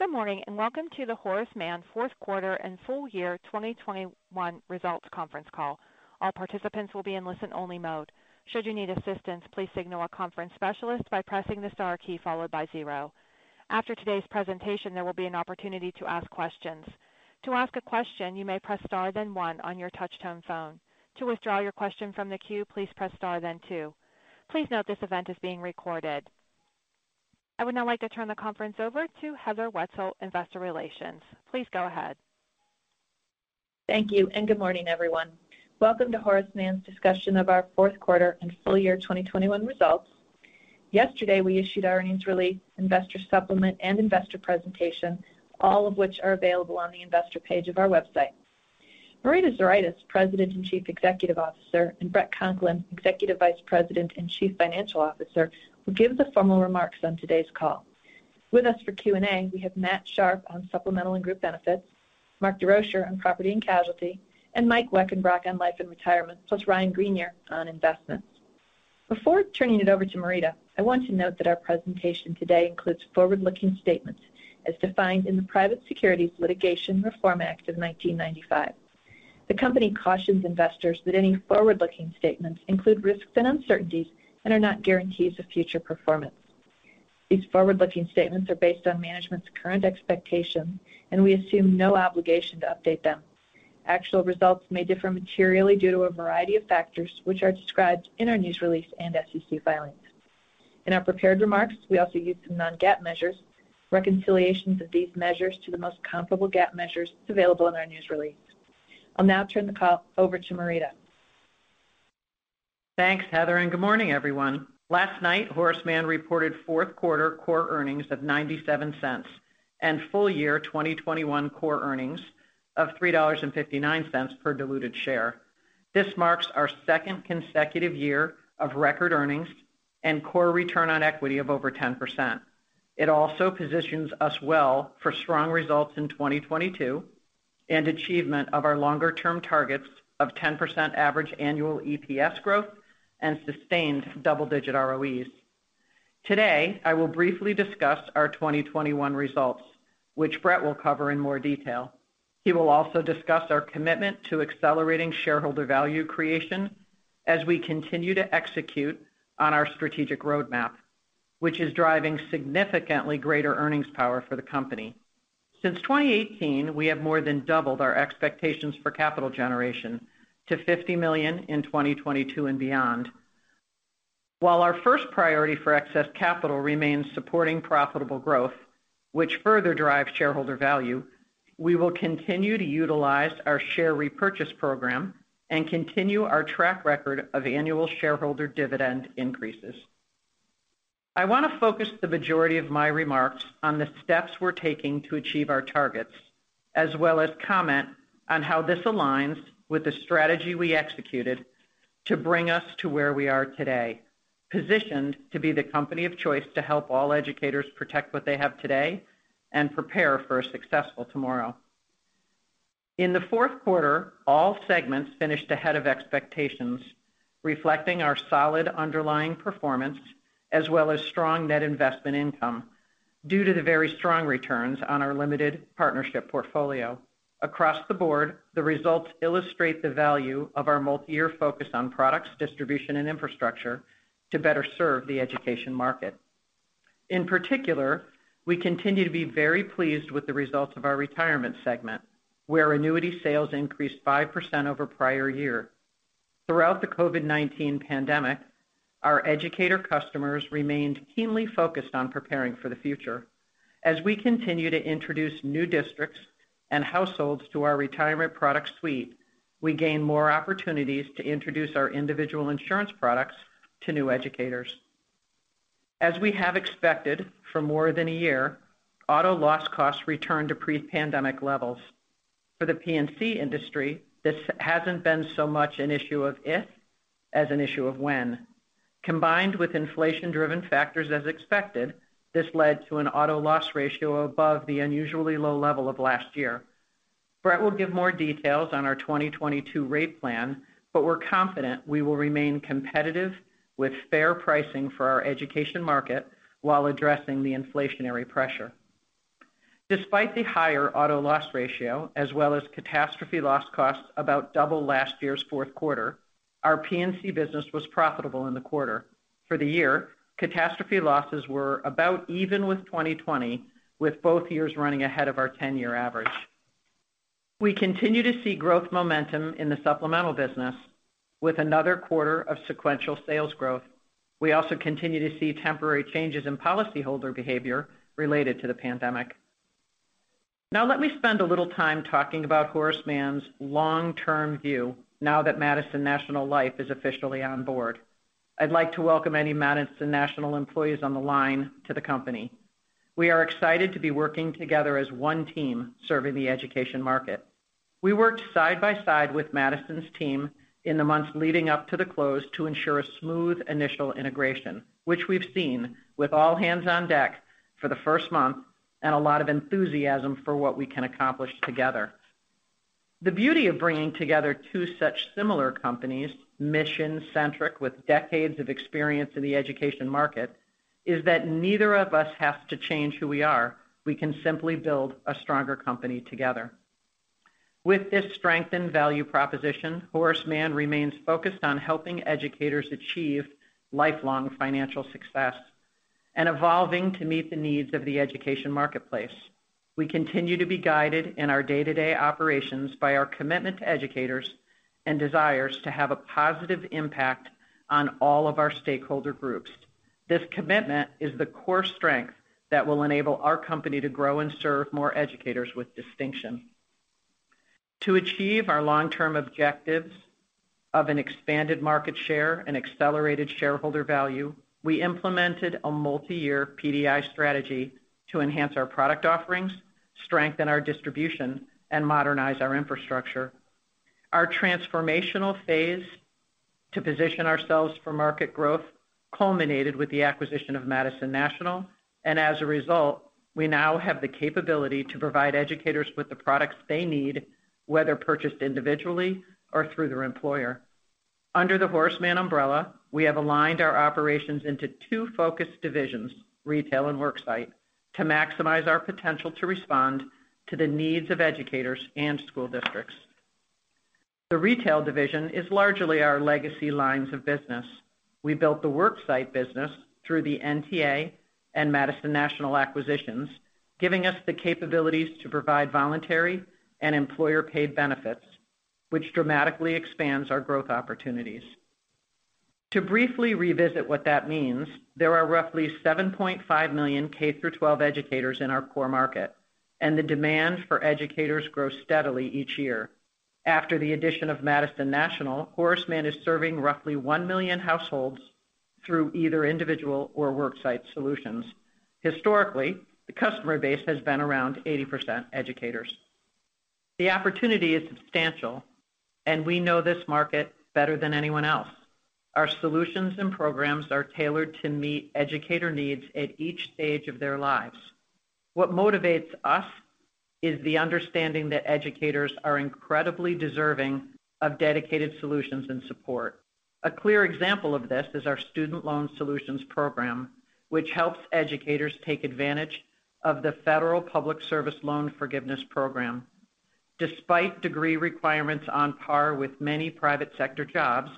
Good morning, and welcome to the Horace Mann Q4 and full-year 2021 results Conference Call. All participants will be in listen-only mode. Should you need assistance, please signal a conference specialist by pressing the star key followed by zero. After today's presentation, there will be an opportunity to ask questions. To ask a question, you may press star then one on your touchtone phone. To withdraw your question from the queue, please press star then two. Please note this event is being recorded. I would now like to turn the conference over to Heather Wietzel, Investor Relations. Please go ahead. Thank you, and good morning, everyone. Welcome to Horace Mann's discussion of our Q4 and full-year 2021 results. Yesterday, we issued our earnings release, investor supplement, and investor presentation, all of which are available on the investor page of our website. Marita Zuraitis, President and Chief Executive Officer, and Bret Conklin, Executive Vice President and Chief Financial Officer, will give the formal remarks on today's call. With us for Q&A, we have Matthew Sharpe on supplemental and group benefits, Mark Desrochers on property and casualty, and Mike Weckenbrock on life and retirement, plus Ryan Greenier on investments. Before turning it over to Marita, I want to note that our presentation today includes forward-looking statements as defined in the Private Securities Litigation Reform Act of 1995. The company cautions investors that any forward-looking statements include risks and uncertainties and are not guarantees of future performance. These forward-looking statements are based on management's current expectations, and we assume no obligation to update them. Actual results may differ materially due to a variety of factors, which are described in our news release and SEC filings. In our prepared remarks, we also use some non-GAAP measures. Reconciliations of these measures to the most comparable GAAP measures is available in our news release. I'll now turn the call over to Marita. Thanks, Heather, and good morning, everyone. Last night, Horace Mann reported Q4 core earnings of $0.97 and full-year 2021 core earnings of $3.59 per diluted share. This marks our second consecutive year of record earnings and core return on equity of over 10%. It also positions us well for strong results in 2022 and achievement of our longer-term targets of 10% average annual EPS growth and sustained double-digit ROEs. Today, I will briefly discuss our 2021 results, which Bret will cover in more detail. He will also discuss our commitment to accelerating shareholder value creation as we continue to execute on our strategic roadmap, which is driving significantly greater earnings power for the company. Since 2018, we have more than doubled our expectations for capital generation to $50 million in 2022 and beyond. While our first priority for excess capital remains supporting profitable growth, which further drives shareholder value, we will continue to utilize our share repurchase program and continue our track record of annual shareholder dividend increases. I want to focus the majority of my remarks on the steps we're taking to achieve our targets, as well as comment on how this aligns with the strategy we executed to bring us to where we are today, positioned to be the company of choice to help all educators protect what they have today and prepare for a successful tomorrow. In Q4, all segments finished ahead of expectations, reflecting our solid underlying performance as well as strong net investment income due to the very strong returns on our limited partnership portfolio. Across the board, the results illustrate the value of our multi-year focus on products, distribution, and infrastructure to better serve the education market. In particular, we continue to be very pleased with the results of our retirement segment, where annuity sales increased 5% over prior-year. Throughout the COVID-19 pandemic, our educator customers remained keenly focused on preparing for the future. As we continue to introduce new districts and households to our retirement product suite, we gain more opportunities to introduce our individual insurance products to new educators. As we have expected for more than a year, auto loss costs returned to pre-pandemic levels. For the P&C industry, this hasn't been so much an issue of if as an issue of when. Combined with inflation-driven factors as expected, this led to an auto loss ratio above the unusually low-level of last year. Bret will give more details on our 2022 rate plan, but we're confident we will remain competitive with fair pricing for our education market while addressing the inflationary pressure. Despite the higher auto loss ratio as well as catastrophe loss costs about double last year's Q4, our P&C business was profitable in the quarter. For the year, catastrophe losses were about even with 2020, with both years running ahead of our 10-year average. We continue to see growth momentum in the supplemental business with another quarter of sequential sales growth. We also continue to see temporary changes in policyholder behavior-related to the pandemic. Now let me spend a little time talking about Horace Mann's long-term view now that Madison National Life is officially on board. I'd like to welcome any Madison National employees on the line to the company. We are excited to be working together as one team serving the education market. We worked side by side with Madison's team in the months leading up to the close to ensure a smooth initial integration, which we've seen with all hands on deck for the first month and a lot of enthusiasm for what we can accomplish together. The beauty of bringing together two such similar companies, mission-centric with decades of experience in the education market, is that neither of us has to change who we are. We can simply build a stronger company together. With this strengthened value proposition, Horace Mann remains focused on helping educators achieve lifelong financial success and evolving to meet the needs of the education marketplace. We continue to be guided in our day-to-day operations by our commitment to educators and desires to have a positive impact on all of our stakeholder groups. This commitment is the core strength that will enable our company to grow and serve more educators with distinction. To achieve our long-term objectives of an expanded market share and accelerated shareholder value, we implemented a multi-year PDI strategy to enhance our product offerings, strengthen our distribution, and modernize our infrastructure. Our transformational phase to position ourselves for market growth culminated with the acquisition of Madison National, and as a result, we now have the capability to provide educators with the products they need, whether purchased individually or through their employer. Under the Horace Mann umbrella, we have aligned our operations into two focused divisions, retail and worksite, to maximize our potential to respond to the needs of educators and school districts. The retail division is largely our legacy lines of business. We built the worksite business through the NTA and Madison National acquisitions, giving us the capabilities to provide voluntary and employer-paid benefits, which dramatically expands our growth opportunities. To briefly revisit what that means, there are roughly 7.5 million K-12 educators in our core market, and the demand for educators grows steadily each year. After the addition of Madison National, Horace Mann is serving roughly 1 million households through either individual or worksite solutions. Historically, the customer base has been around 80% educators. The opportunity is substantial, and we know this market better than anyone else. Our solutions and programs are tailored to meet educator needs at each stage of their lives. What motivates us is the understanding that educators are incredibly deserving of dedicated solutions and support. A clear example of this is our Student Loan Solutions program, which helps educators take advantage of the Public Service Loan Forgiveness program. Despite degree requirements on par with many private sector jobs,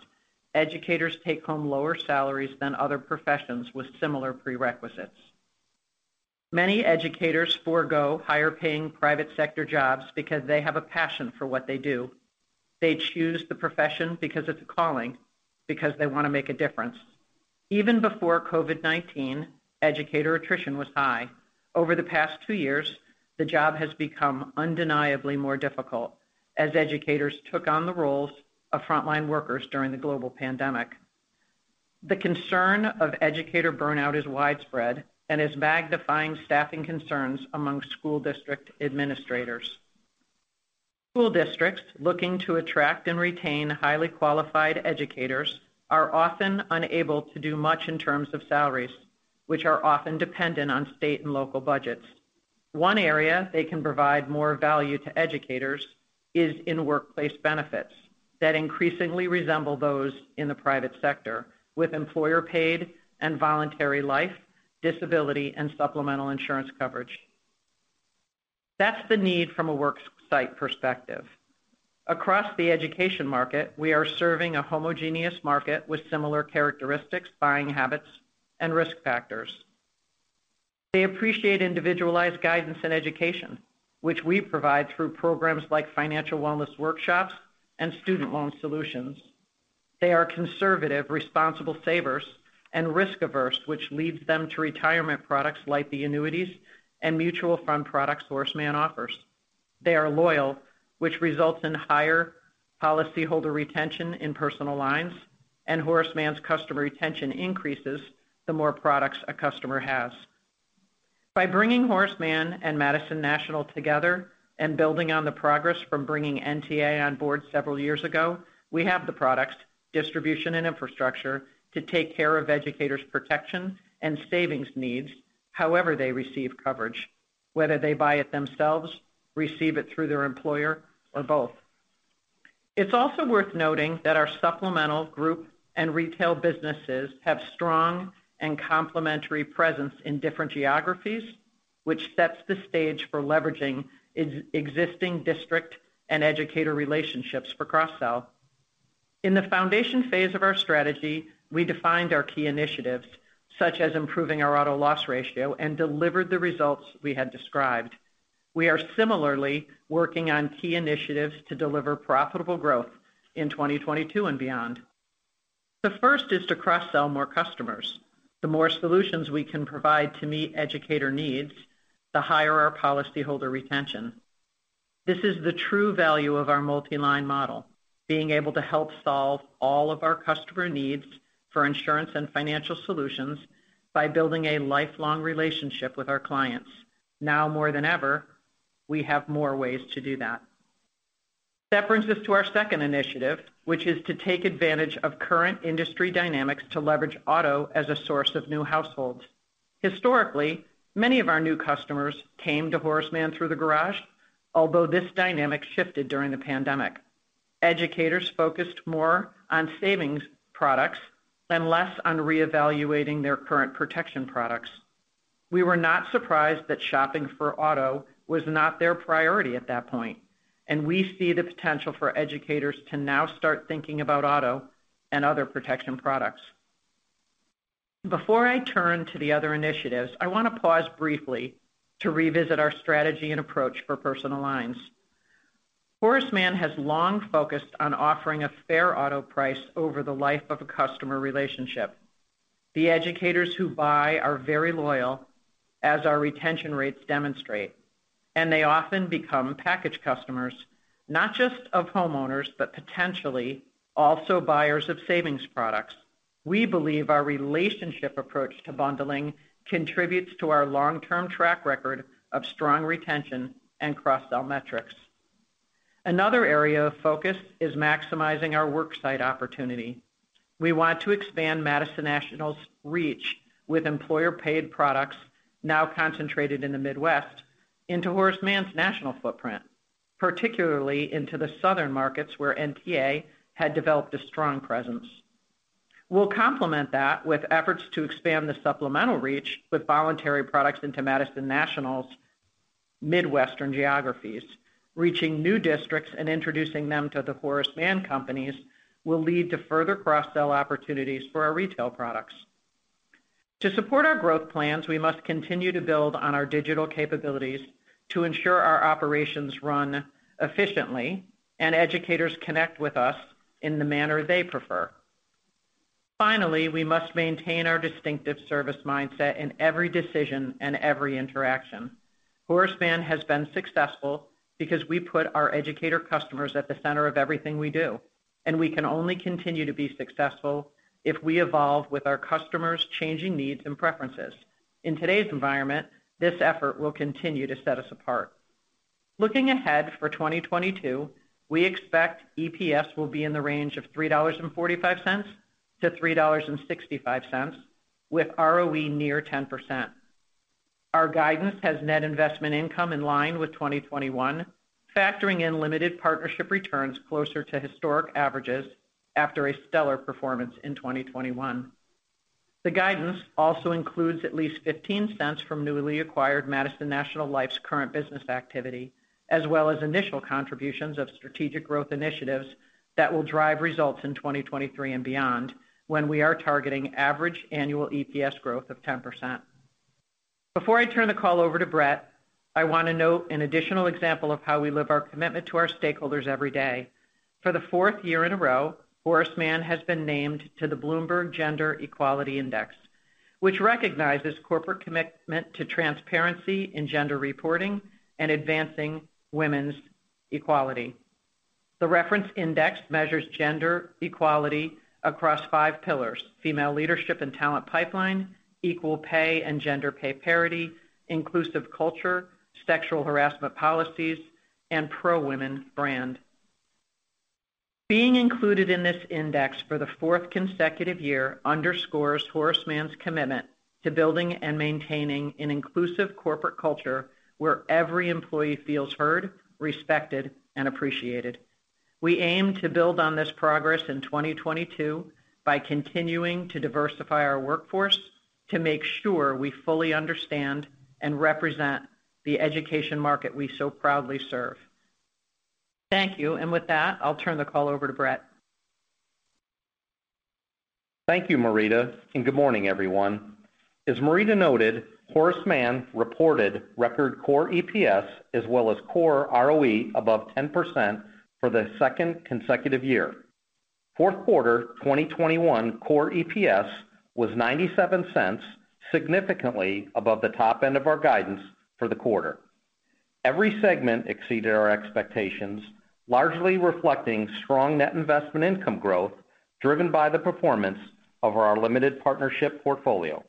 educators take home lower salaries than other professions with similar prerequisites. Many educators forego higher-paying private sector jobs because they have a passion for what they do. They choose the profession because it's a calling, because they want to make a difference. Even before COVID-19, educator attrition was high. Over the past two-years, the job has become undeniably more difficult as educators took on the roles of frontline workers during the global pandemic. The concern of educator burnout is widespread and is magnifying staffing concerns among school district administrators. School districts looking to attract and retain highly qualified educators are often unable to do much in terms of salaries, which are often dependent on state and local budgets. One area they can provide more value to educators is in workplace benefits that increasingly resemble those in the private sector, with employer-paid and voluntary life, disability, and supplemental insurance coverage. That's the need from a worksite perspective. Across the education market, we are serving a homogeneous market with similar characteristics, buying habits, and risk factors. They appreciate individualized guidance and education, which we provide through programs like Financial Wellness Workshops and Student Loan Solutions. They are conservative, responsible savers, and risk-averse, which leads them to retirement products like the annuities and mutual fund products Horace Mann offers. They are loyal, which results in higher policyholder retention in personal lines, and Horace Mann's customer retention increases the more products a customer has. By bringing Horace Mann and Madison National together and building on the progress from bringing NTA on board several years ago, we have the products, distribution, and infrastructure to take care of educators' protection and savings needs however they receive coverage, whether they buy it themselves, receive it through their employer, or both. It's also worth noting that our supplemental group and retail businesses have strong and complementary presence in different geographies, which sets the stage for leveraging existing district and educator relationships for cross-sell. In the foundation phase of our strategy, we defined our key initiatives, such as improving our auto loss ratio, and delivered the results we had described. We are similarly working on key initiatives to deliver profitable growth in 2022 and beyond. The first is to cross-sell more customers. The more solutions we can provide to meet educator needs, the higher our policyholder retention. This is the true value of our multi-line model, being able to help solve all of our customer needs for insurance and financial solutions by building a lifelong relationship with our clients. Now more than ever, we have more ways to do that. That brings us to our second initiative, which is to take advantage of current industry dynamics to leverage auto as a source of new households. Historically, many of our new customers came to Horace Mann through the garage, although this dynamic shifted during the pandemic. Educators focused more on savings products and less on reevaluating their current protection products. We were not surprised that shopping for auto was not their priority at that point, and we see the potential for educators to now start thinking about auto and other protection products. Before I turn to the other initiatives, I wanna pause briefly to revisit our strategy and approach for personal lines. Horace Mann has long focused on offering a fair auto price over the life of a customer relationship. The educators who buy are very loyal as our retention rates demonstrate, and they often become package customers, not just of homeowners, but potentially also buyers of savings products. We believe our relationship approach to bundling contributes to our long-term track record of strong retention and cross-sell metrics. Another area of focus is maximizing our worksite opportunity. We want to expand Madison National's reach with employer-paid products now concentrated in the Midwest into Horace Mann's national footprint, particularly into the southern markets where NTA had developed a strong presence. We'll complement that with efforts to expand the supplemental reach with voluntary products into Madison National's Midwestern geographies. Reaching new districts and introducing them to the Horace Mann companies will lead to further cross-sell opportunities for our retail products. To support our growth plans, we must continue to build on our digital capabilities to ensure our operations run efficiently and educators connect with us in the manner they prefer. Finally, we must maintain our distinctive service mindset in every decision and every interaction. Horace Mann has been successful because we put our educator customers at the center of everything we do, and we can only continue to be successful if we evolve with our customers' changing needs and preferences. In today's environment, this effort will continue to set us apart. Looking ahead for 2022, we expect EPS will be in the range of $3.45-$3.65 with ROE near 10%. Our guidance has net investment income in line with 2021, factoring in limited partnership returns closer to historic averages after a stellar performance in 2021. The guidance also includes at least $0.15 from newly acquired Madison National Life's current business activity, as well as initial contributions of strategic growth initiatives that will drive results in 2023 and beyond, when we are targeting average annual EPS growth of 10%. Before I turn the call over to Bret, I wanna note an additional example of how we live our commitment to our stakeholders every day. For the fourth-year in a row, Horace Mann has been named to the Bloomberg Gender-Equality Index, which recognizes corporate commitment to transparency in gender reporting and advancing women's equality. The reference index measures gender equality across five pillars, female leadership and talent pipeline, equal pay and gender pay parity, inclusive culture, sexual harassment policies, and pro-women brand. Being included in this index for the fourth consecutive year underscores Horace Mann's commitment to building and maintaining an inclusive corporate culture where every employee feels heard, respected, and appreciated. We aim to build on this progress in 2022 by continuing to diversify our workforce to make sure we fully understand and represent the education market we so proudly serve. Thank you. With that, I'll turn the call over to Bret. Thank you, Marita, and good morning, everyone. As Marita noted, Horace Mann reported record core EPS as well as core ROE above 10% for the second consecutive year. Q4 2021 core EPS was $0.97, significantly above the top-end of our guidance for the quarter. Every segment exceeded our expectations, largely reflecting strong net investment income growth driven by the performance of our limited partnership portfolio.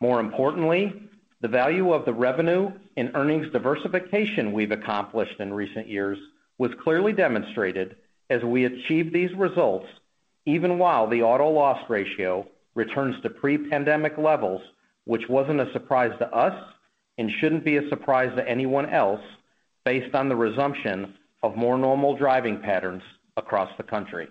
More importantly, the value of the revenue and earnings diversification we've accomplished in recent years was clearly demonstrated as we achieved these results even while the auto loss ratio returns to pre-pandemic levels, which wasn't a surprise to us and shouldn't be a surprise to anyone else based on the resumption of more normal driving patterns across the country.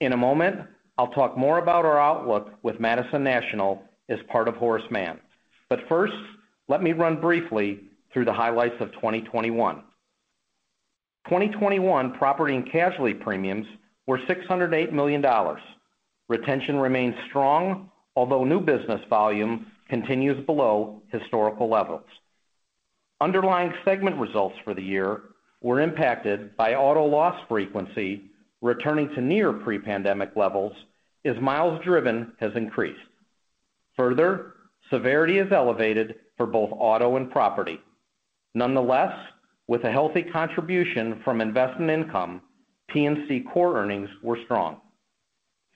In a moment, I'll talk more about our outlook with Madison National as part of Horace Mann. First, let me run briefly through the highlights of 2021. 2021 property and casualty premiums were $608 million. Retention remains strong, although new business volume continues below historical levels. Underlying segment results for the year were impacted by auto loss frequency returning to near pre-pandemic levels as miles driven has increased. Further, severity is elevated for both auto and property. Nonetheless, with a healthy contribution from investment income, P&C core earnings were strong.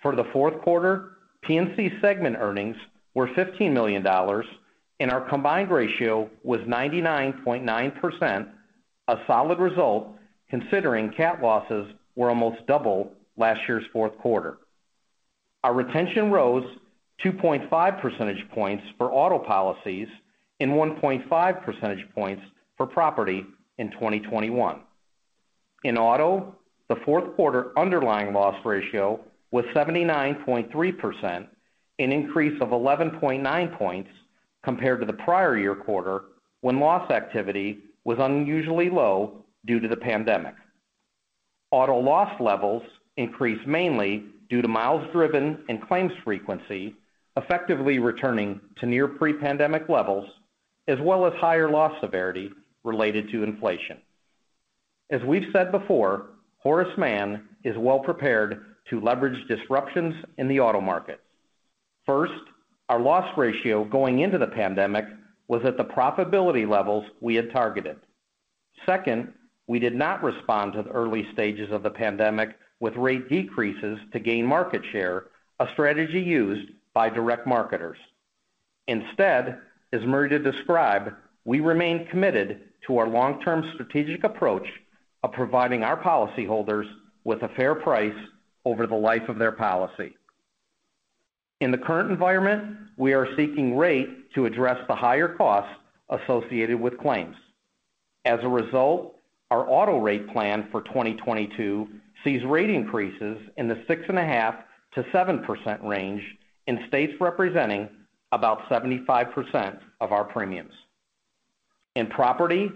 For Q4, P&C segment earnings were $15 million. Our combined ratio was 99.9%, a solid result considering cat losses were almost double last year's Q4. Our retention rose 2.5 percentage points for auto policies and 1.5 percentage points for property in 2021. In auto, Q4 underlying loss ratio was 79.3%, an increase of 11.9 points compared to the prior-year quarter, when loss activity was unusually low due to the pandemic. Auto loss levels increased mainly due to miles driven and claims frequency, effectively returning to near pre-pandemic levels as well as higher loss severity-related to inflation. As we've said before, Horace Mann is well-prepared to leverage disruptions in the auto market. First, our loss ratio going into the pandemic was at the profitability levels we had targeted. Second, we did not respond to the early stages of the pandemic with rate decreases to gain market share, a strategy used by direct marketers. Instead, as Marita described, we remain committed to our long-term strategic approach of providing our policyholders with a fair price over the life of their policy. In the current environment, we are seeking rate to address the higher costs associated with claims. As a result, our auto rate plan for 2022 sees rate increases in the 6.5%-7% range in states representing about 75% of our premiums. In property,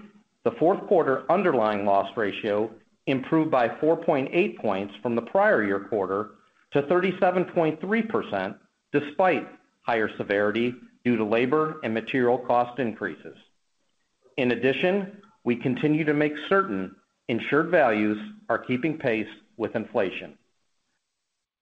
Q4 underlying loss ratio improved by 4.8 points from the prior-year quarter to 37.3%, despite higher severity due to labor and material cost increases. In addition, we continue to make certain that insured values are keeping pace with inflation.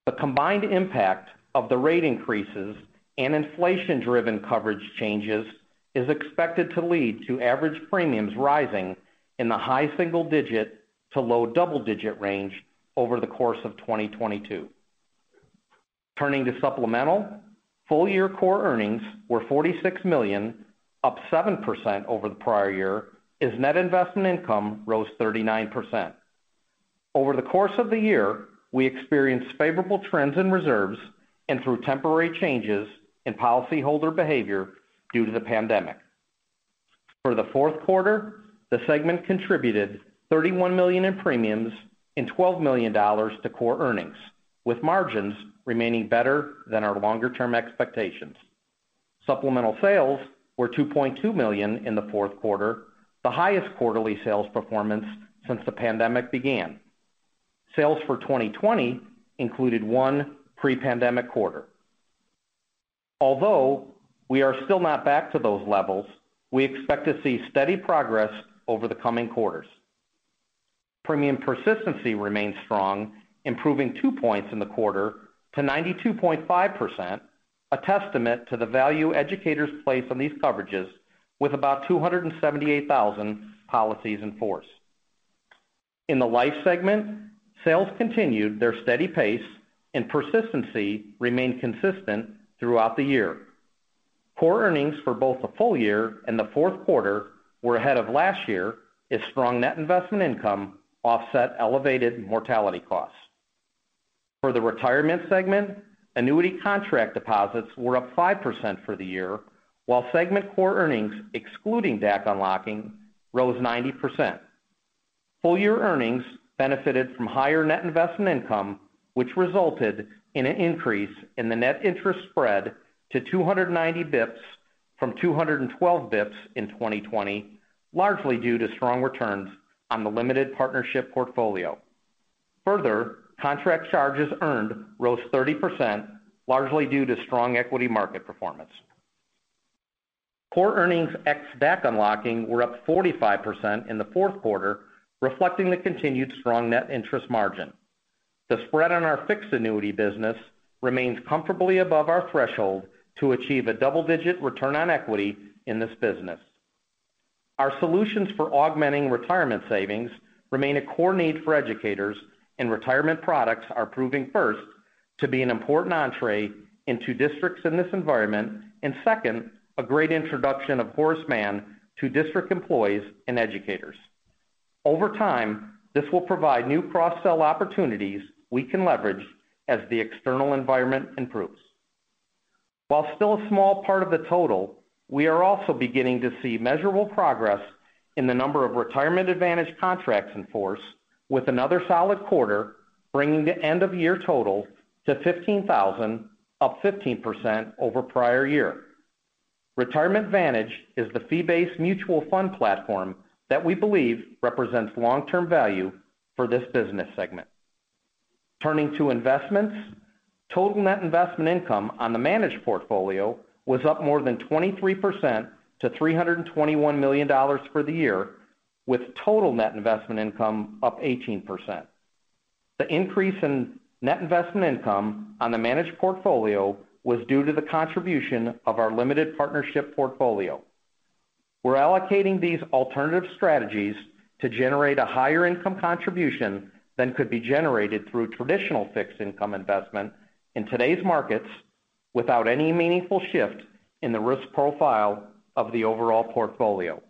The combined impact of the rate increases and inflation-driven coverage changes is expected to lead to average premiums rising in the high-single-digit to low-double-digits range over the course of 2022. Turning to Supplemental, full-year core earnings were $46 million, up 7% over the prior-year as net investment income rose 39%. Over the course of the year, we experienced favorable trends in reserves and through temporary changes in policyholder behavior due to the pandemic. For Q4, the segment contributed $31 million in premiums and $12 million to core earnings, with margins remaining better than our longer-term expectations. Supplemental sales were $2.2 million in Q4, the highest quarterly sales performance since the pandemic began. Sales for 2020 included one pre-pandemic quarter. Although we are still not back to those levels, we expect to see steady progress over the coming quarters. Premium persistency remains strong, improving two points in the quarter to 92.5%, a testament to the value educators place on these coverages with about 278,000 policies in force. In the life segment, sales continued their steady pace and persistency remained consistent throughout the year. Core earnings for both the full-year and Q4 were ahead of last year as strong net investment income offset elevated mortality costs. For the retirement segment, annuity contract deposits were up 5% for the year, while segment core earnings excluding DAC unlocking rose 90%. Full-year earnings benefited from higher net investment income, which resulted in an increase in the net interest spread to 290 basis points from 212 basis points in 2020, largely due to strong returns on the limited partnership portfolio. Further, contract charges earned rose 30%, largely due to strong equity market performance. Core earnings ex DAC unlocking were up 45% in Q4, reflecting the continued strong net interest margin. The spread on our fixed annuity business remains comfortably above our threshold to achieve a double-digit return on equity in this business. Our solutions for augmenting retirement savings remain a core need for educators, and retirement products are proving first to be an important entry into districts in this environment, and second, a great introduction of Horace Mann to district employees and educators. Over time, this will provide new cross-sell opportunities we can leverage as the external environment improves. While still a small part of the total, we are also beginning to see measurable progress in the number of Retirement Advantage contracts in force with another solid quarter, bringing the end-of-year total to 15,000, up 15% over prior year. Retirement Advantage is the fee-based mutual fund platform that we believe represents long-term value for this business segment. Turning to investments, total net investment income on the managed portfolio was up more than 23% to $321 million for the year, with total net investment income up 18%. The increase in net investment income on the managed portfolio was due to the contribution of our limited partnership portfolio. We're allocating these alternative strategies to generate a higher income contribution than could be generated through traditional fixed income investment in today's markets without any meaningful shift in the risk profile of the overall portfolio.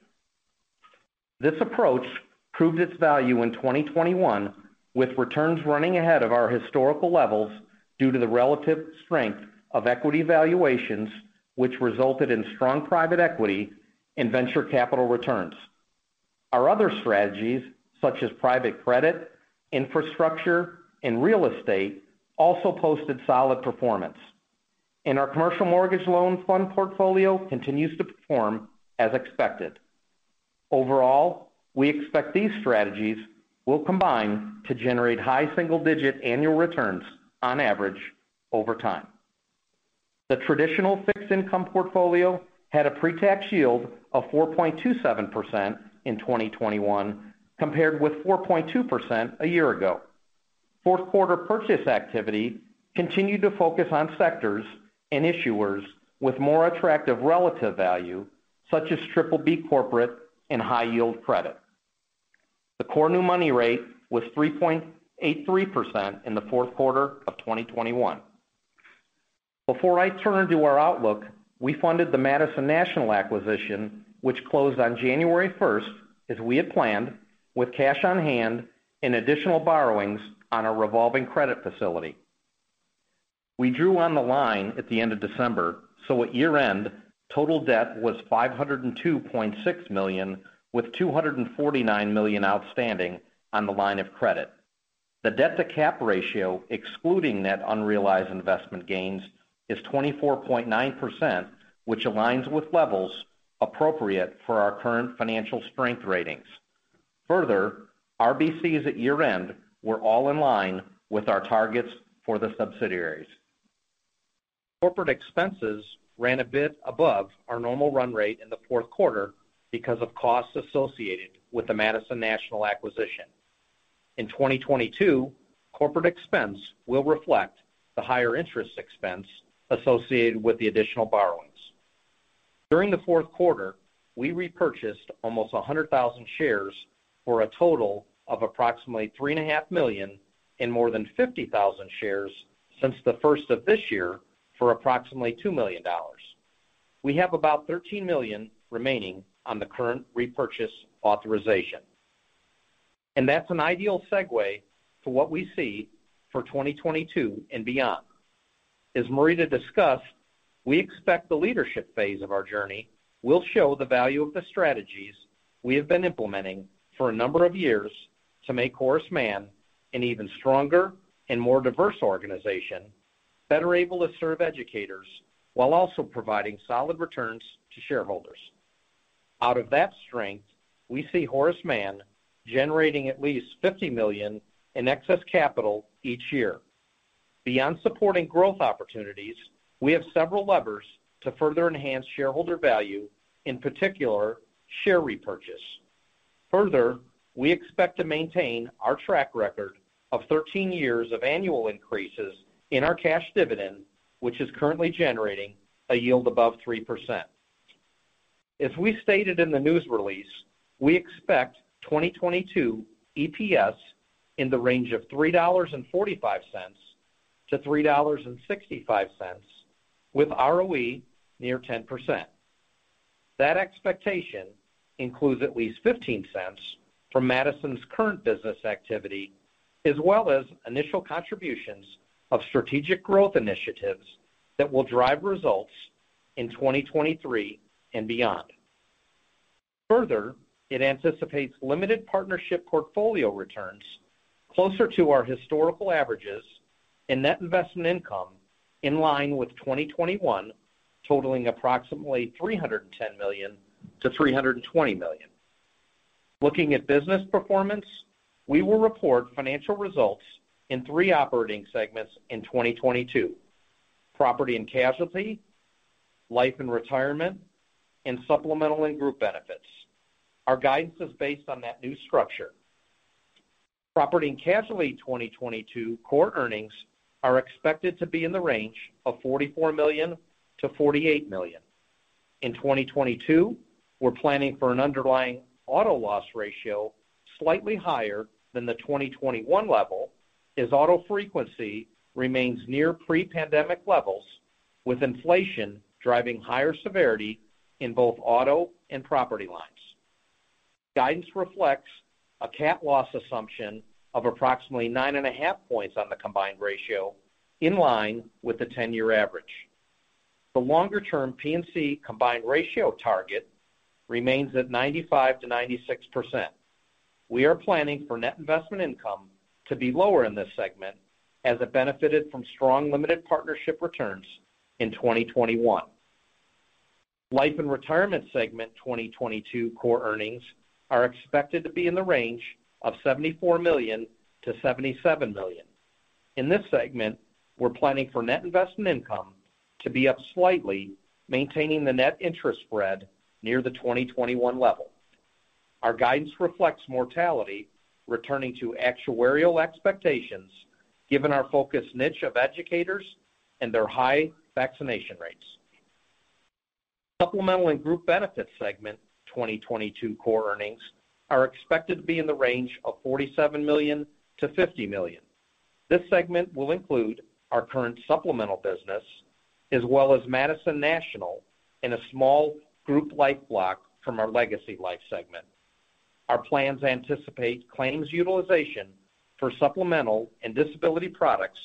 This approach proved its value in 2021, with returns running ahead of our historical levels due to the relative strength of equity valuations, which resulted in strong private equity and venture capital returns. Our other strategies, such as private credit, infrastructure, and real estate also posted solid performance. Our commercial mortgage loan fund portfolio continues to perform as expected. Overall, we expect these strategies will combine to generate high-single-digit annual returns on average over time. The traditional fixed income portfolio had a pre-tax yield of 4.27% in 2021, compared with 4.2% a year ago. Q4 purchase activity continued to focus on sectors and issuers with more attractive relative value, such as triple B corporate and high- yield credit. The core new money rate was 3.83% in Q4 of 2021. Before I turn to our outlook, we funded the Madison National acquisition which closed on January first as we had planned with cash on hand and additional borrowings on our revolving credit facility. We drew on the line at the end of December, so at year-end, total debt was $502.6 million, with $249 million outstanding on the line of credit. The debt-to-cap ratio, excluding net unrealized investment gains, is 24.9%, which aligns with levels appropriate for our current financial strength ratings. Further, RBCs at year-end were all in line with our targets for the subsidiaries. Corporate expenses ran a bit above our normal run rate in Q4 because of costs associated with the Madison National acquisition. In 2022, corporate expense will reflect the higher interest expense associated with the additional borrowings. During Q4, we repurchased almost 100,000 shares for a total of approximately $3.5 million and more than 50,000 shares since the first of this year for approximately $2 million. We have about $13 million remaining on the current repurchase authorization. That's an ideal segue for what we see for 2022 and beyond. As Marita discussed, we expect the leadership phase of our journey will show the value of the strategies we have been implementing for a number of years to make Horace Mann an even stronger and more diverse organization, better able to serve educators while also providing solid returns to shareholders. Out of that strength, we see Horace Mann generating at least $50 million in excess capital each year. Beyond supporting growth opportunities, we have several levers to further enhance shareholder value, in particular, share repurchase. Further, we expect to maintain our track record of 13-years of annual increases in our cash dividend, which is currently generating a yield above 3%. As we stated in the news release, we expect 2022 EPS in the range of $3.45-$3.65 with ROE near 10%. That expectation includes at least $0.15 from Madison's current business activity as well as initial contributions of strategic growth initiatives that will drive results in 2023 and beyond. Further, it anticipates limited partnership portfolio returns closer to our historical averages and net investment income in line with 2021, totaling approximately $310 million-$320 million. Looking at business performance, we will report financial results in three operating segments in 2022. Property and Casualty, Life and Retirement, and Supplemental and Group Benefits. Our guidance is based on that new structure. Property and Casualty 2022 core earnings are expected to be in the range of $44 million-$48 million. In 2022, we're planning for an underlying auto loss ratio slightly higher than the 2021 level as auto frequency remains near pre-pandemic levels, with inflation driving higher severity in both auto and property lines. Guidance reflects a cat loss assumption of approximately 9.5 points on the combined ratio, in line with the 10-year average. The longer-term P&C combined ratio target remains at 95%-96%. We are planning for net investment income to be lower in this segment as it benefited from strong limited partnership returns in 2021. Life and Retirement segment 2022 core earnings are expected to be in the range of $74 million-$77 million. In this segment, we're planning for net investment income to be up slightly, maintaining the net interest spread near the 2021 level. Our guidance reflects mortality returning to actuarial expectations given our focused niche of educators and their high-vaccination rates. Supplemental and group benefits segment 2022 core earnings are expected to be in the range of $47-$50 million. This segment will include our current supplemental business as well as Madison National in a small group life block from our legacy life segment. Our plans anticipate claims utilization for supplemental and disability products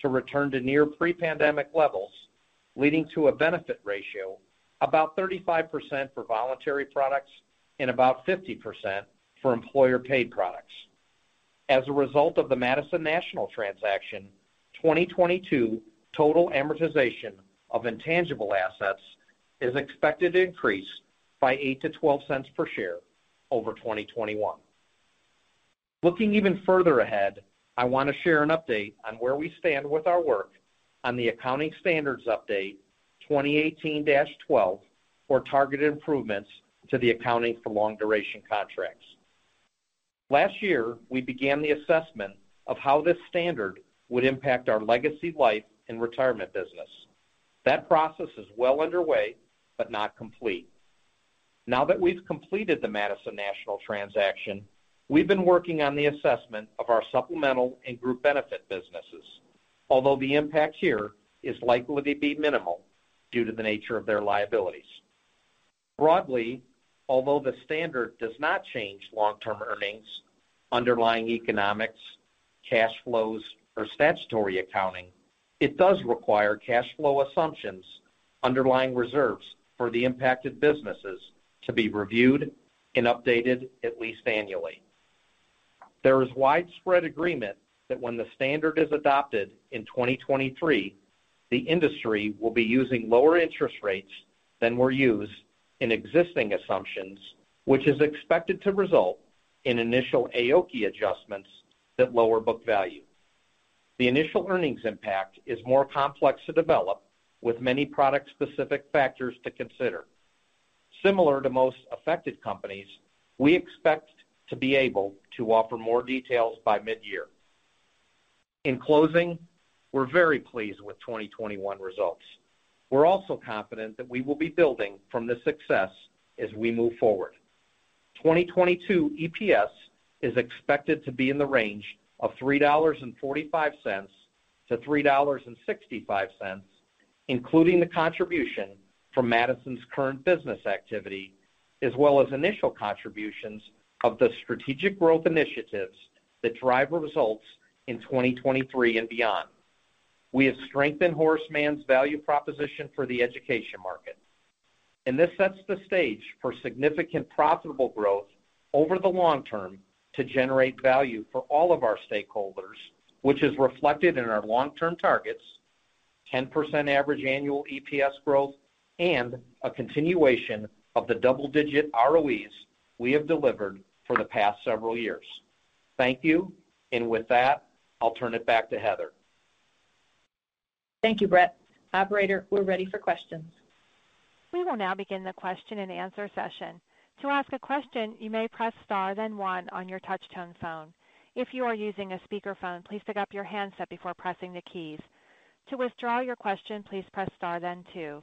to return to near pre-pandemic levels, leading to a benefit ratio about 35% for voluntary products and about 50% for employer paid products. As a result of the Madison National transaction, 2022 total amortization of intangible assets is expected to increase by $0.08-$0.12 per share over 2021. Looking even further ahead, I want to share an update on where we stand with our work on the Accounting Standards Update 2018-12 for targeted improvements to the accounting for long-duration contracts. Last year, we began the assessment of how this standard would impact our legacy life and retirement business. That process is well-underway but not complete. Now that we've completed the Madison National transaction, we've been working on the assessment of our supplemental and group benefit businesses, although the impact here is likely to be minimal due to the nature of their liabilities. Broadly, although the standard does not change long-term earnings, underlying economics, cash flows, or statutory accounting, it does require cash flow assumptions, underlying reserves for the impacted businesses to be reviewed and updated at least annually. There is widespread agreement that when the standard is adopted in 2023, the industry will be using lower interest rates than were used in existing assumptions, which is expected to result in initial AOCI adjustments that lower book value. The initial earnings impact is more complex to develop with many product specific factors to consider. Similar to most affected companies, we expect to be able to offer more details by mid-year. In closing, we're very pleased with 2021 results. We're also confident that we will be building from this success as we move forward. 2022 EPS is expected to be in the range of $3.45-$3.65, including the contribution from Madison's current business activity as well as initial contributions of the strategic growth initiatives that drive results in 2023 and beyond. We have strengthened Horace Mann's value proposition for the education market, and this sets the stage for significant profitable growth over the long-term to generate value for all of our stakeholders, which is reflected in our long-term targets, 10% average annual EPS growth, and a continuation of the double-digit ROEs we have delivered for the past several years. Thank you. With that, I'll turn it back to Heather. Thank you, Bret. Operator, we're ready for questions. We will now begin the question-and-answer session. To ask a question, you may press Star, then One on your touch tone phone. If you are using a speakerphone, please pick up your handset before pressing the keys. To withdraw your question, please press Star then Two.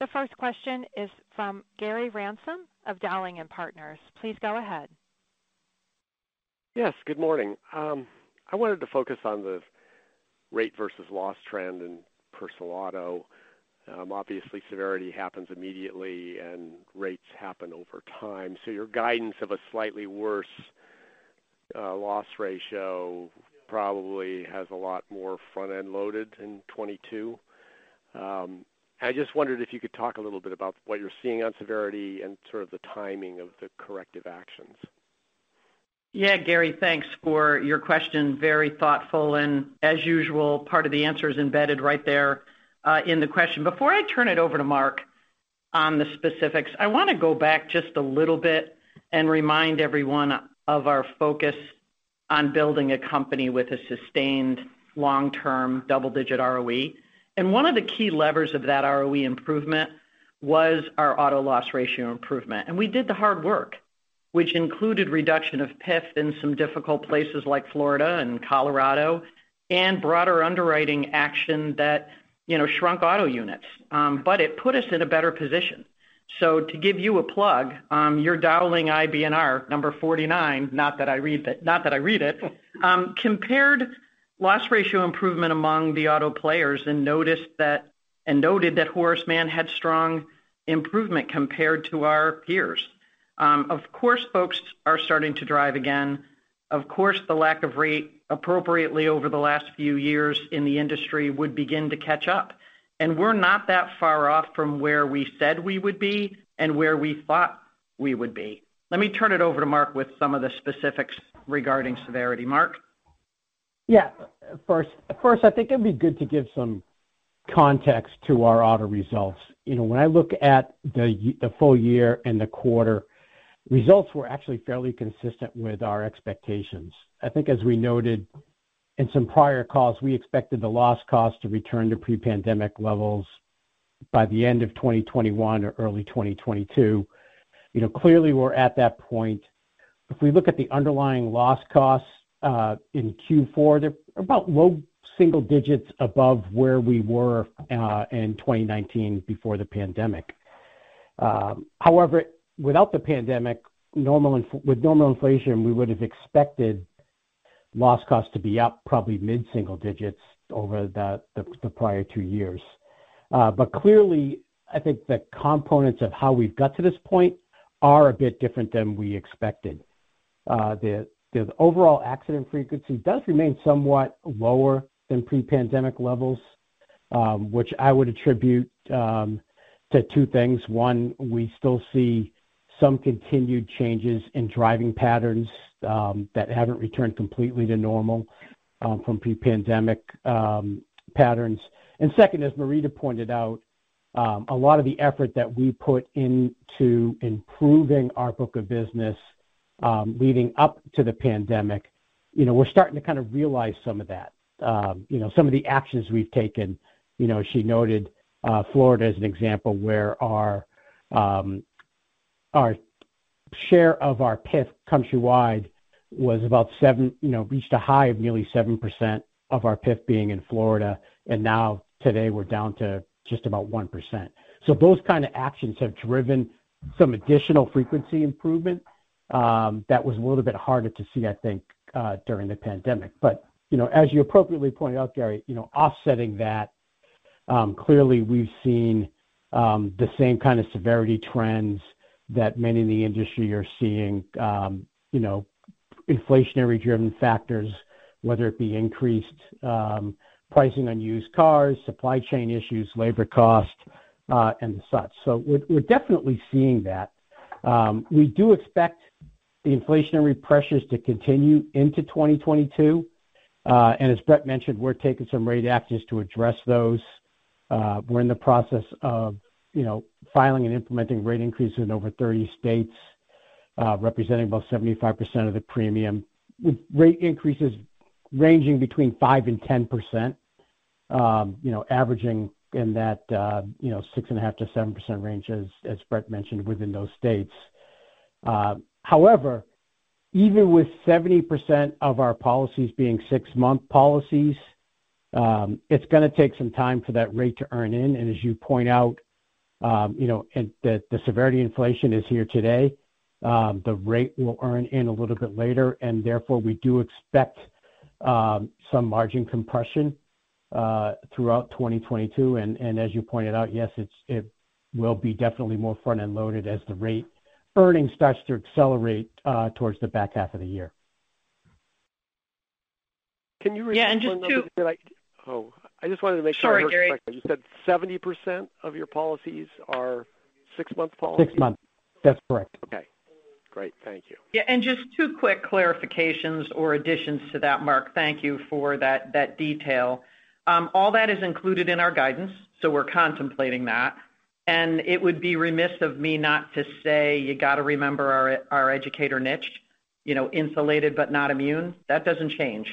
The first question is from Gary Ransom of Dowling & Partners. Please go ahead. Yes, good morning. I wanted to focus on the rate versus loss trend in personal auto. Obviously, severity happens immediately and rates happen over time. Your guidance of a slightly worse loss ratio probably has a lot more front-end loaded in 2022. I just wondered if you could talk a little bit about what you're seeing on severity and sort of the timing of the corrective actions. Yeah, Gary, thanks for your question. Very thoughtful, and as usual, part of the answer is embedded right there in the question. Before I turn it over to Mark on the specifics, I want to go back just a little bit and remind everyone of our focus on building a company with a sustained long-term double-digit ROE. One of the key levers of that ROE improvement was our auto loss ratio improvement. We did the hard work, which included reduction of PIF in some difficult places like Florida and Colorado and broader underwriting action that, you know, shrunk auto units, but it put us in a better position. To give you a plug, your Dowling & Partners IBNR number 49, not that I read it, compared loss ratio improvement among the auto players and noted that Horace Mann had strong improvement compared to our peers. Of course, folks are starting to drive again. Of course, the lack of rate adequacy over the last few years in the industry would begin to catch up. We're not that far off from where we said we would be and where we thought we would be. Let me turn it over to Mark with some of the specifics regarding severity. Mark? Yeah. First, I think it'd be good to give some context to our auto results. You know, when I look at the full-year and the quarter, results were actually fairly consistent with our expectations. I think as we noted in some prior calls, we expected the loss cost to return to pre-pandemic levels by the end of 2021 or early 2022. You know, clearly we're at that point. If we look at the underlying loss costs in Q4, they're about low-single-digit above where we were in 2019 before the pandemic. However, without the pandemic, with normal inflation, we would have expected loss costs to be up probably mid-single digits over the prior two-years. But clearly, I think the components of how we've got to this point are a bit different than we expected. The overall accident frequency does remain somewhat lower than pre-pandemic levels, which I would attribute to 2 things. One, we still see some continued changes in driving patterns that haven't returned completely to normal from pre-pandemic patterns. Second, as Marita pointed out, a lot of the effort that we put into improving our book of business leading up to the pandemic, you know, we're starting to kind of realize some of that, you know, some of the actions we've taken. You know, she noted Florida as an example where our share of our PIF countrywide was about 7, you know, reached a high of nearly 7% of our PIF being in Florida, and now today we're down to just about 1%. Those kind of actions have driven some additional frequency improvement that was a little bit harder to see, I think, during the pandemic. You know, as you appropriately pointed out, Gary, you know, offsetting that, clearly we've seen the same kind of severity trends that many in the industry are seeing, you know, inflationary-driven factors, whether it be increased pricing on used cars, supply chain issues, labor cost, and such. We're definitely seeing that. We do expect the inflationary pressures to continue into 2022. As Brett mentioned, we're taking some rate actions to address those. We're in the process of, you know, filing and implementing rate increases in over 30 states, representing about 75% of the premium. Rate increases ranging between 5%-10%, you know, averaging in that 6.5%-7% range, as Bret mentioned, within those states. However, even with 70% of our policies being six-month policies, it's gonna take some time for that rate to earn in. As you point out, you know, the severity inflation is here today, the rate will earn in a little bit later, and therefore, we do expect some margin compression throughout 2022. As you pointed out, yes, it will be definitely more front-end loaded as the rate earning starts to accelerate towards the back half of the year. Can you repeat one number? Yeah, just two- Oh, I just wanted to make sure I heard correctly. Sorry, Gary. You said 70% of your policies are six-month policies? 6-month. That's correct. Okay, great. Thank you. Yeah, just two quick clarifications or additions to that, Mark. Thank you for that detail. All that is included in our guidance, so we're contemplating that. It would be remiss of me not to say you got to remember our educator niche, you know, insulated but not immune. That doesn't change.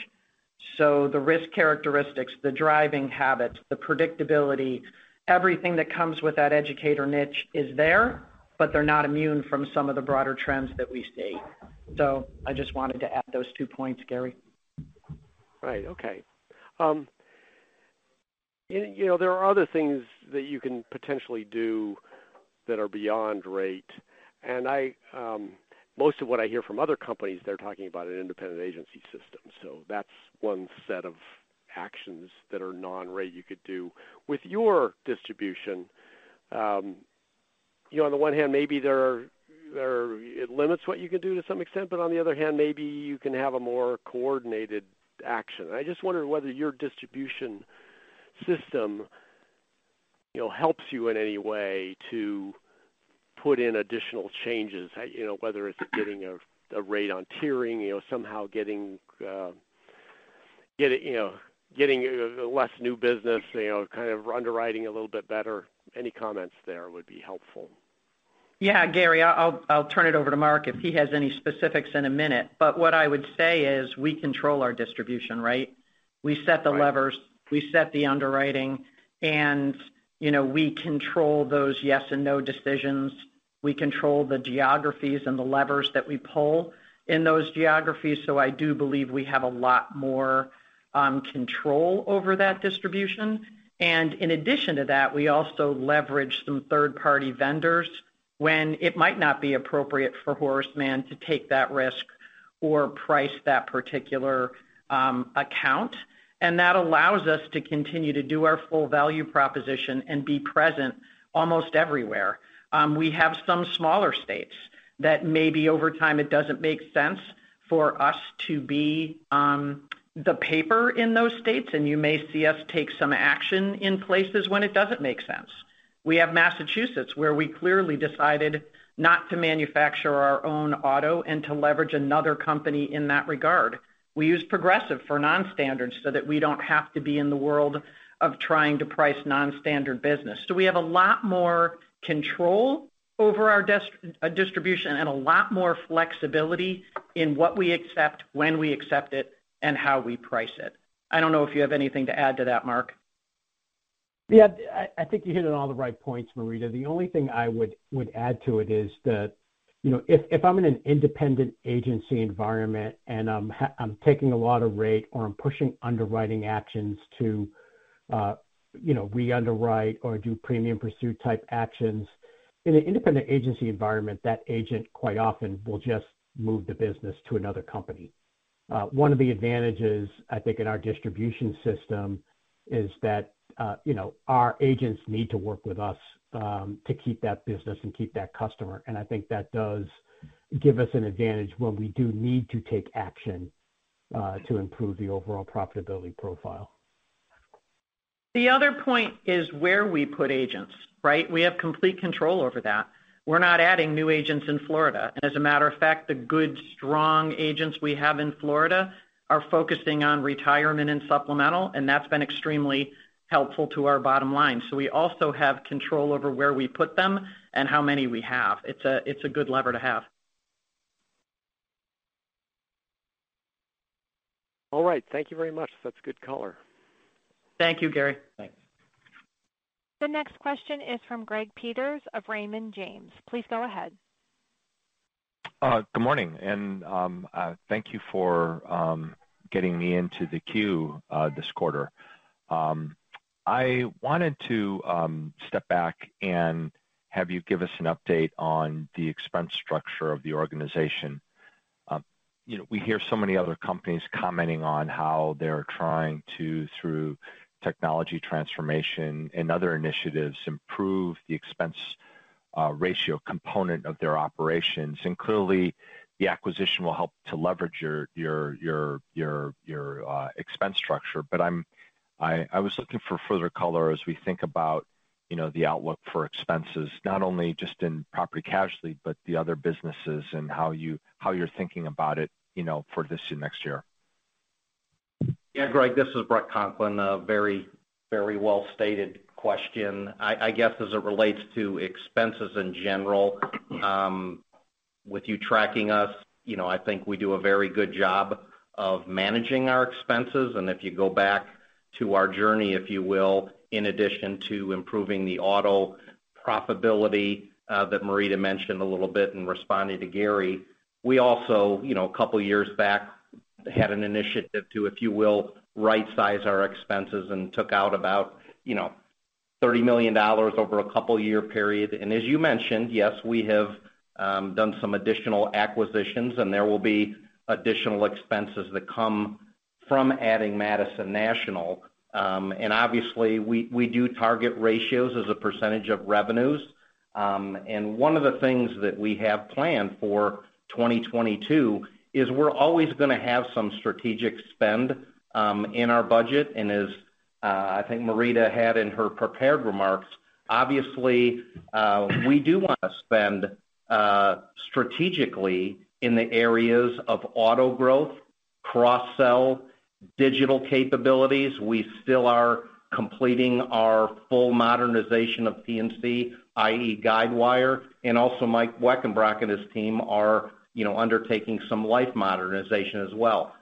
The risk characteristics, the driving habits, the predictability, everything that comes with that educator niche is there, but they're not immune from some of the broader trends that we see. I just wanted to add those two points, Gary. Right. Okay. You know, there are other things that you can potentially do that are beyond rate. Most of what I hear from other companies, they're talking about an independent agency system. That's one set of actions that are non-rate you could do. With your distribution, you know, on the one hand, maybe it limits what you can do to some extent, but on the other hand, maybe you can have a more coordinated action. I just wonder whether your distribution system, you know, helps you in any way to put in additional changes, you know, whether it's getting a rate on tiering, you know, somehow getting less new business, you know, kind of underwriting a little bit better. Any comments there would be helpful. Yeah, Gary, I'll turn it over to Mark if he has any specifics in a minute. What I would say is we control our distribution, right? Right. We set the levers, we set the underwriting, and, you know, we control those yes and no decisions. We control the geographies and the levers that we pull in those geographies. I do believe we have a lot more control over that distribution. In addition to that, we also leverage some third-party vendors when it might not be appropriate for Horace Mann to take that risk or price that particular account. That allows us to continue to do our full value proposition and be present almost everywhere. We have some smaller states that maybe over time it doesn't make sense for us to be the paper in those states, and you may see us take some action in places when it doesn't make sense. We have Massachusetts, where we clearly decided not to manufacture our own auto and to leverage another company in that regard. We use Progressive for non-standard so that we don't have to be in the world of trying to price non-standard business. We have a lot more control over our distribution and a lot more flexibility in what we accept, when we accept it, and how we price it. I don't know if you have anything to add to that, Mark. Yeah, I think you're hitting all the right points, Marita. The only thing I would add to it is that, you know, if I'm in an independent agency environment and I'm taking a lot of rate or I'm pushing underwriting actions to, you know, re-underwrite or do premium pursuit type actions, in an independent agency environment, that agent quite often will just move the business to another company. One of the advantages, I think, in our distribution system is that, you know, our agents need to work with us, to keep that business and keep that customer. I think that does give us an advantage when we do need to take action, to improve the overall profitability profile. The other point is where we put agents, right? We have complete control over that. We're not adding new agents in Florida. As a matter of fact, the good, strong agents we have in Florida are focusing on retirement and supplemental, and that's been extremely helpful to our bottom-line. We also have control over where we put them and how many we have. It's a good lever to have. All right. Thank you very much. That's a good color. Thank you, Gary. Thanks. The next question is from Greg Peters of Raymond James. Please go ahead. Good morning, thank you for getting me into the queue this quarter. I wanted to step back and have you give us an update on the expense structure of the organization. You know, we hear so many other companies commenting on how they're trying to, through technology transformation and other initiatives, improve the expense ratio component of their operations. Clearly, the acquisition will help to leverage your expense structure. I was looking for further color as we think about, you know, the outlook for expenses, not only just in property casualty, but the other businesses and how you're thinking about it, you know, for this and next year. Yeah, Greg, this is Bret Conklin. A very, very well-stated question. I guess as it relates to expenses in general, with you tracking us, you know, I think we do a very good job of managing our expenses. If you go back to our journey, if you will, in addition to improving the auto profitability that Marita mentioned a little bit in responding to Gary, we also, you know, a couple of years back had an initiative to, if you will, rightsize our expenses and took out about, you know, $30 million over a couple-year period. As you mentioned, yes, we have done some additional acquisitions, and there will be additional expenses that come from adding Madison National. Obviously, we do target ratios as a percentage of revenues. One of the things that we have planned for 2022 is we're always gonna have some strategic spend in our budget. As I think Marita had in her prepared remarks, obviously, we do wanna spend strategically in the areas of auto growth, cross-sell, digital capabilities. We still are completing our full modernization of P&C, i.e. Guidewire, and also Mike Weckenbrock and his team are, you know, undertaking some life modernization as well.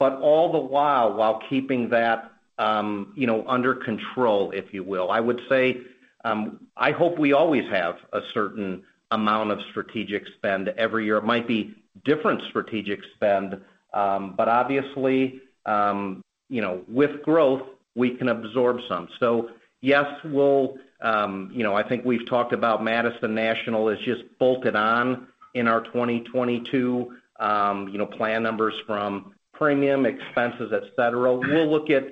All the while keeping that, you know, under control, if you will. I would say I hope we always have a certain amount of strategic spend every year. It might be different strategic spend, but obviously, you know, with growth, we can absorb some. Yes, we'll, you know, I think we've talked about Madison National as just bolted on in our 2022, you know, plan numbers from premium expenses, et cetera. We'll look at,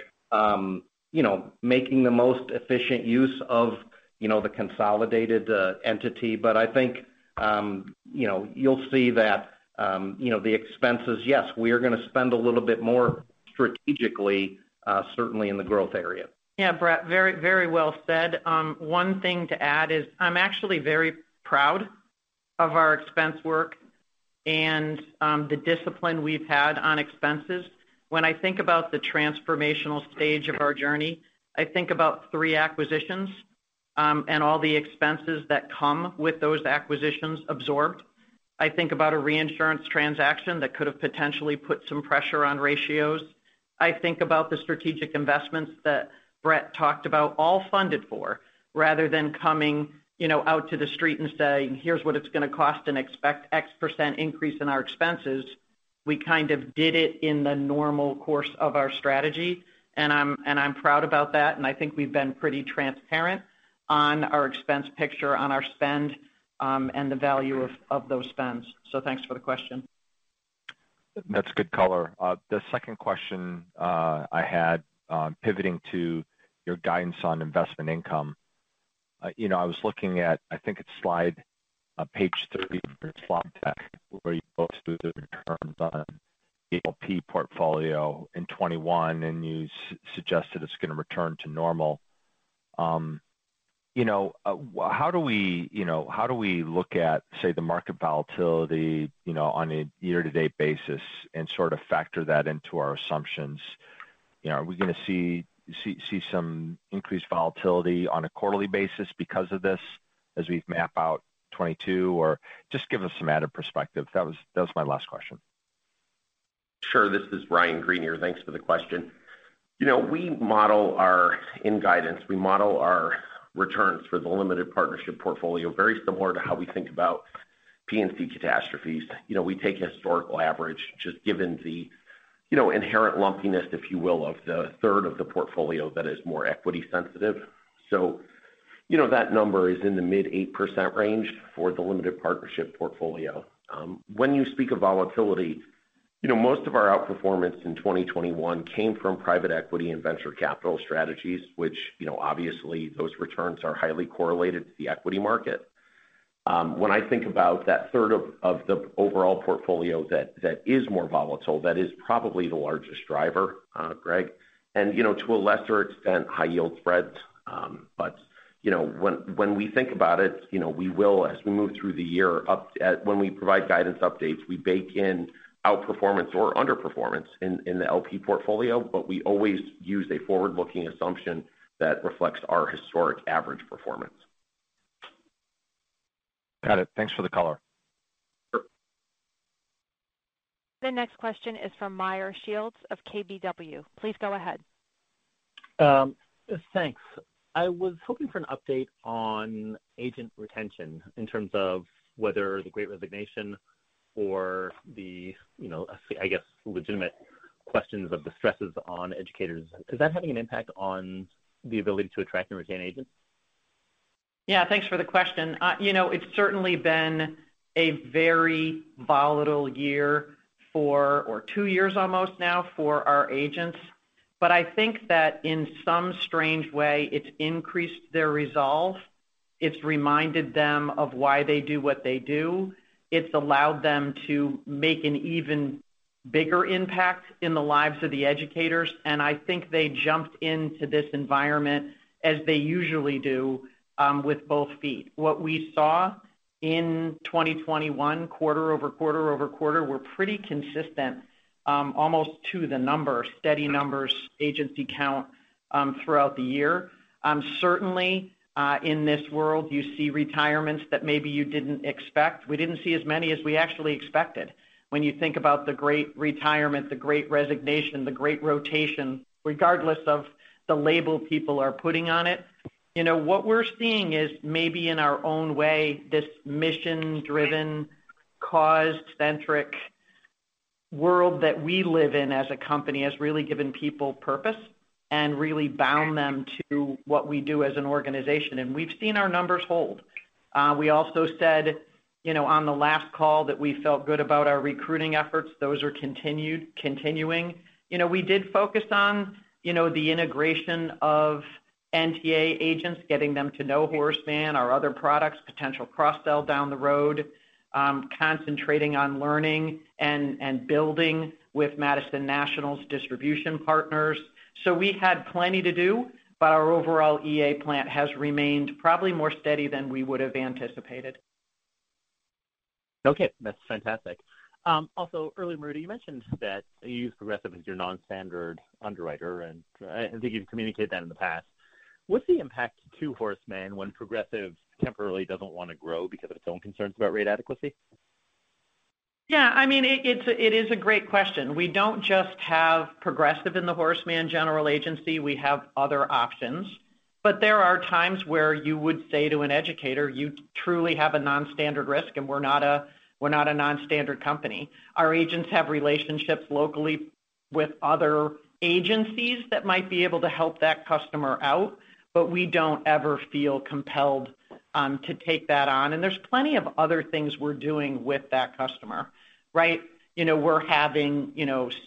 you know, making the most efficient use of, you know, the consolidated entity. I think, you know, you'll see that, you know, the expenses, yes, we are gonna spend a little bit more strategically, certainly in the growth area. Yeah, Bret, very, very well said. One thing to add is I'm actually very proud of our expense work and, the discipline we've had on expenses. When I think about the transformational stage of our journey, I think about three acquisitions, and all the expenses that come with those acquisitions absorbed. I think about a reinsurance transaction that could have potentially put some pressure on ratios. I think about the strategic investments that Bret talked about, all funded for, rather than coming, you know, out to the street and saying, "Here's what it's gonna cost and expect X% increase in our expenses." We kind of did it in the normal course of our strategy, and I'm proud about that, and I think we've been pretty transparent on our expense picture, on our spend, and the value of those spends. Thanks for the question. That's a good color. The second question I had, pivoting to your guidance on investment income. You know, I was looking at, I think it's slide page 30 of your slide deck where you go through the returns on AOP portfolio in 2021, and you suggested it's gonna return to normal. You know, how do we look at, say, the market volatility, you know, on a year-to-date basis and sort of factor that into our assumptions? You know, are we gonna see some increased volatility on a quarterly basis because of this as we map out 2022? Or just give us some added perspective. That was my last question. Sure. This is Ryan Greenier here. Thanks for the question. You know, in guidance, we model our returns for the limited partnership portfolio very similar to how we think about P&C catastrophes. You know, we take historical average, just given the inherent lumpiness, if you will, of the third of the portfolio that is more equity sensitive. You know, that number is in the mid-8% range for the limited partnership portfolio. When you speak of volatility, you know, most of our outperformance in 2021 came from private equity and venture capital strategies, which, you know, obviously those returns are highly correlated to the equity market. When I think about that third of the overall portfolio that is more volatile, that is probably the largest driver, Greg, and, you know, to a lesser extent, high-yield spreads. You know, when we think about it, you know, we will, as we move through the year, when we provide guidance updates, we bake in outperformance or underperformance in the LP portfolio, but we always use a forward-looking assumption that reflects our historic average performance. Got it. Thanks for the color. Sure. The next question is from Meyer Shields of KBW. Please go ahead. Thanks. I was hoping for an update on agent retention in terms of whether the Great Resignation or the, you know, I guess, legitimate questions of the stresses on educators. Is that having an impact on the ability to attract and retain agents? Yeah. Thanks for the question. You know, it's certainly been a very volatile year or two years almost now for our agents. But I think that in some strange way, it's increased their resolve. It's reminded them of why they do what they do. It's allowed them to make an even bigger impact in the lives of the educators. And I think they jumped into this environment, as they usually do, with both feet. What we saw in 2021, quarter-over-quarter, were pretty consistent, almost to the number, steady numbers, agency count, throughout the year. Certainly, in this world, you see retirements that maybe you didn't expect. We didn't see as many as we actually expected when you think about the great retirement, the great resignation, the great rotation, regardless of the label people are putting on it. You know, what we're seeing is maybe in our own way, this mission-driven, cause-centric world that we live in as a company has really given people purpose and really bound them to what we do as an organization. We've seen our numbers hold. We also said, you know, on the last call that we felt good about our recruiting efforts. Those are continuing. You know, we did focus on, you know, the integration of NTA agents, getting them to know Horace Mann, our other products, potential cross-sell down the road, concentrating on learning and building with Madison National's distribution partners. We had plenty to do, but our overall agent plant has remained probably more steady than we would have anticipated. Okay, that's fantastic. Also, Marita Zuraitis, you mentioned that you use Progressive as your non-standard underwriter, and I think you've communicated that in the past. What's the impact to Horace Mann when Progressive temporarily doesn't want to grow because of its own concerns about rate adequacy? Yeah, I mean, it is a great question. We don't just have Progressive in the Horace Mann general agency, we have other options. There are times where you would say to an educator, you truly have a non-standard risk, and we're not a non-standard company. Our agents have relationships locally with other agencies that might be able to help that customer out, but we don't ever feel compelled to take that on. There's plenty of other things we're doing with that customer, right? You know, we're having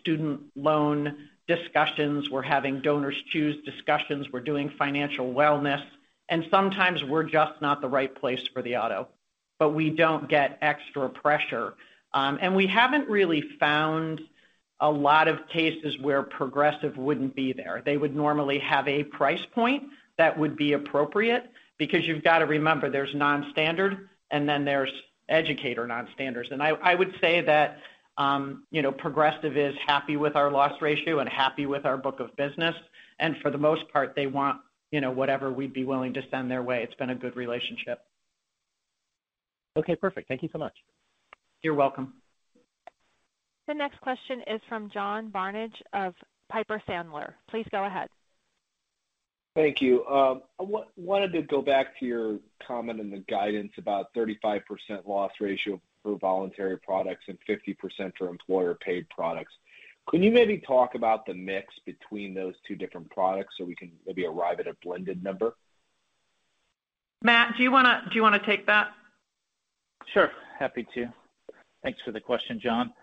student loan discussions, we're having DonorsChoose discussions, we're doing Financial Wellness, and sometimes we're just not the right place for the auto, but we don't get extra pressure. We haven't really found a lot of cases where Progressive wouldn't be there. They would normally have a price point that would be appropriate because you've got to remember, there's non-standard, and then there's educator non-standards. I would say that you know, Progressive is happy with our loss ratio and happy with our book of business. For the most part, they want you know, whatever we'd be willing to send their way. It's been a good relationship. Okay, perfect. Thank you so much. You're welcome. The next question is from John Barnidge of Piper Sandler. Please go ahead. Thank you. I wanted to go back to your comment in the guidance about 35% loss ratio for voluntary products and 50% for employer-paid products. Could you maybe talk about the mix between those two different products so we can maybe arrive at a blended number? Matt, do you wanna take that? Sure. Happy to. Thanks for the question, John.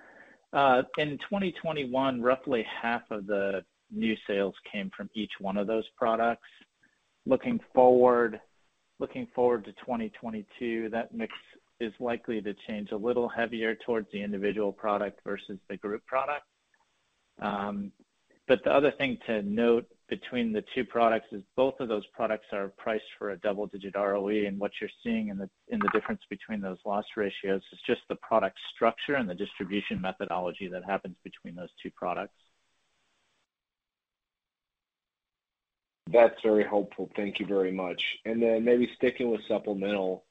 In 2021, roughly half of the new sales came from each one of those products. Looking forward to 2022, that mix is likely to change a little heavier towards the individual product versus the group product. The other thing to note between the two products is both of those products are priced for a double-digit ROE, and what you're seeing in the difference between those loss ratios is just the product structure and the distribution methodology that happens between those two products. That's very helpful. Thank you very much. Maybe sticking with supplemental,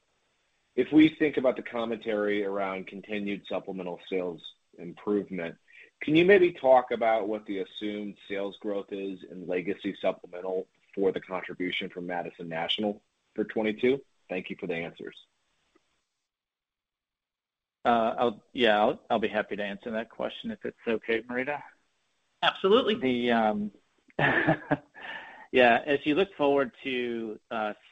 if we think about the commentary around continued supplemental sales improvement, can you maybe talk about what the assumed sales growth is in legacy supplemental for the contribution from Madison National for 2022? Thank you for the answers. I'll be happy to answer that question if it's okay, Marita. Absolutely. As you look forward to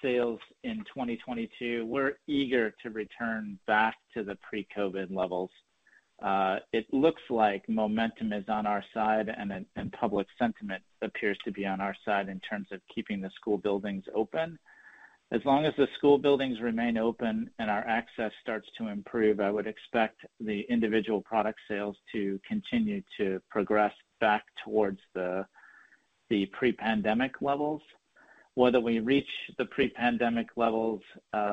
sales in 2022, we're eager to return back to the pre-COVID levels. It looks like momentum is on our side and public sentiment appears to be on our side in terms of keeping the school buildings open. As long as the school buildings remain open and our access starts to improve, I would expect the individual product sales to continue to progress back towards the pre-pandemic levels. Whether we reach the pre-pandemic levels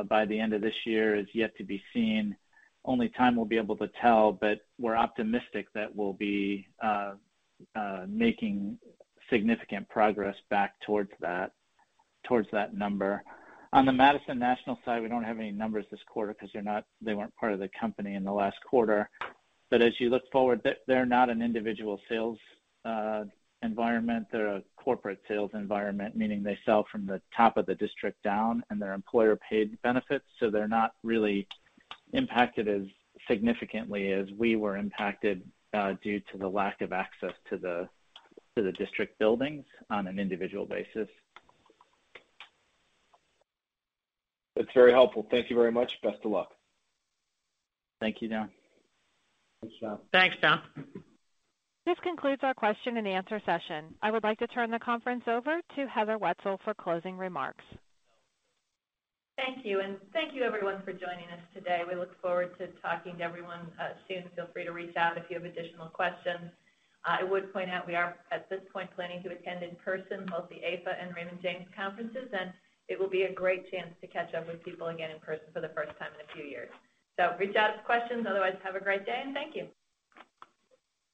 by the end of this year is yet to be seen. Only time will be able to tell, but we're optimistic that we'll be making significant progress back towards that number. On the Madison National side, we don't have any numbers this quarter 'cause they weren't part of the company in the last quarter. As you look forward, they're not an individual sales environment. They're a corporate sales environment, meaning they sell from the top of the district down, and they're employer-paid benefits, so they're not really impacted as significantly as we were impacted due to the lack of access to the district buildings on an individual basis. That's very helpful. Thank you very much. Best of luck. Thank you, John. Thanks, John. This concludes our question and answer session. I would like to turn the conference over to Heather Wetzel for closing remarks. Thank you, and thank you everyone for joining us today. We look forward to talking to everyone soon. Feel free to reach out if you have additional questions. I would point out we are, at this point, planning to attend in person both the APA and Raymond James conferences, and it will be a great chance to catch up with people again in person for the first time in a few years. Reach out with questions. Otherwise, have a great day, and thank you.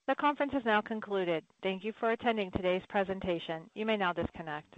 The conference has now concluded. Thank you for attending today's presentation. You may now disconnect.